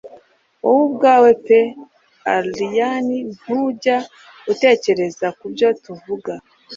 Wowe ubwawe pe Allayne ntujya utekereza kubyo tuvuga